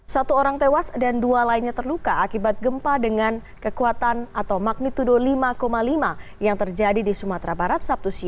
satu orang tewas dan dua lainnya terluka akibat gempa dengan kekuatan atau magnitudo lima lima yang terjadi di sumatera barat